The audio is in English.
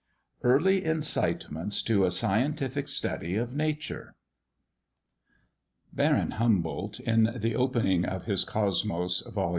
EARLY INCITEMENTS TO A SCIENTIFIC STUDY OF NATURE. Baron Humboldt, in the opening of his Cosmos, vol.